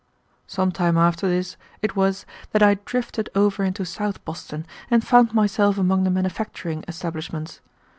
Some time after this it was that I drifted over into South Boston and found myself among the manufacturing establishments.